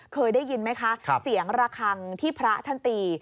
เคยได้ยินไหมคะเสียงระคังที่พระท่านตี